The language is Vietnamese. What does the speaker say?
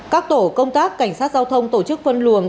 các tổ công tác cảnh sát giao thông tổ chức phân luồng